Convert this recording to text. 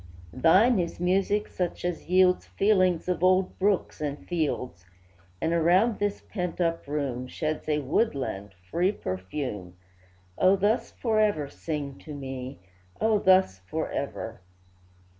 Thine is music such as yields Feelings of old brooks and fields, And, around this pent up room, Sheds a woodland, free perfume; O, thus forever sing to me! O, thus forever!